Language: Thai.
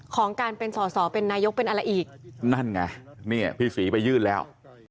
ของการเป็นสอสอเป็นนายกเป็นอะไรอีกนั่นไงเนี่ยพี่ศรีไปยื่นแล้ว